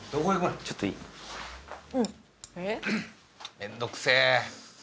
面倒くせえ！